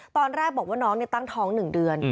ตอนแรกบอกว่าน้องตั้งท้อง๑เดือน